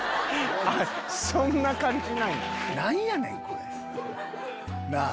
そんな感じなんや。なぁ？